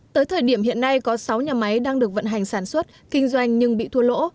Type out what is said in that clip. tới thời điểm hiện nay có sáu nhà máy đang được vận hành sản xuất kinh doanh nhưng bị thua lỗ